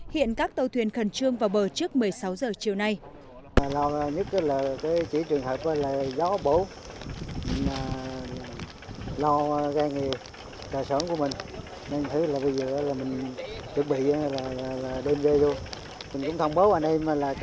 hiện các tàu thuyền khẩn trương vào bờ trước một mươi sáu giờ chiều nay